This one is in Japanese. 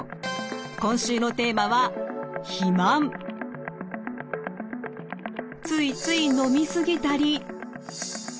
今週のテーマはついつい飲み過ぎたり食べ過ぎたり。